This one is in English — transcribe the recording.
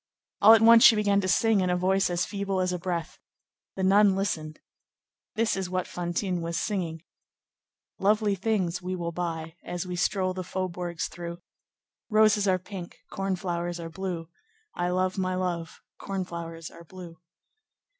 All at once she began to sing in a voice as feeble as a breath. The nun listened. This is what Fantine was singing:— "Lovely things we will buy As we stroll the faubourgs through. Roses are pink, corn flowers are blue, I love my love, corn flowers are blue.